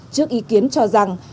trước ý kiến cho rằng